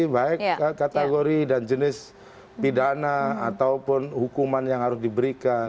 baik kategori dan jenis pidana ataupun hukuman yang harus diberikan